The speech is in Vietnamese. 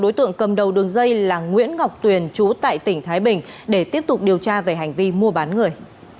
đối tượng cầm đầu đường dây là nguyễn ngọc tuyền chú tại tỉnh thái bình để tiếp tục điều tra về hành vi mua bán người